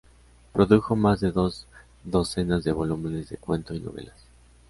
Produjo más de dos docenas de volúmenes de cuento y novelas.